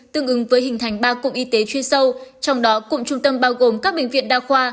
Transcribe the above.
tương ứng với hình thành ba cụm y tế chuyên sâu trong đó cụm trung tâm bao gồm các bệnh viện đa khoa